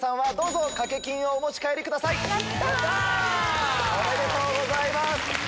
やった！おめでとうございます。